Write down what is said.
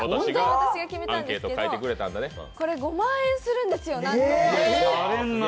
私が決めたんですけど、これ、なんと５万円するんですよ。